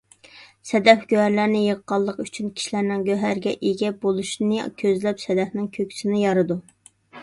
سەدەف گۆھەرلەرنى يىغقانلىقى ئۈچۈن، كىشىلەرنىڭ گۆھەرگە ئىگە بولۇشىنى كۆزلەپ سەدەفنىڭ كۆكسىىنى يارىدۇ.